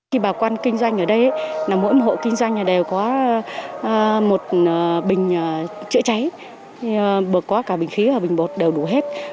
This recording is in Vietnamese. khi bà con kinh doanh ở đây mỗi hộ kinh doanh đều có một bình chữa cháy bộ có cả bình khí và bình bột đều đủ hết